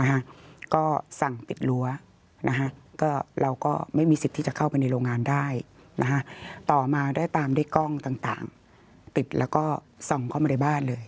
นะฮะก็สั่งปิดรั้วนะคะก็เราก็ไม่มีสิทธิ์ที่จะเข้าไปในโรงงานได้นะคะต่อมาได้ตามด้วยกล้องต่างต่างติดแล้วก็ส่องเข้ามาในบ้านเลย